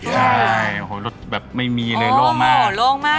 ใช่แบบรถไม่มีเลยโล่งมาก